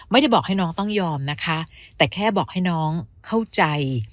ไม่ได้บอกให้น้องต้องยอมนะคะแต่แค่บอกให้น้องเข้าใจ